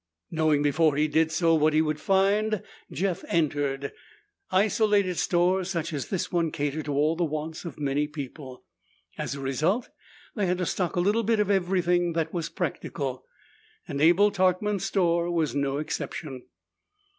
Knowing before he did so what he would find, Jeff entered. Isolated stores such as this one catered to all the wants of many people. As a result, they had to stock a little bit of everything that was practical, and Abel Tarkman's store was no exception.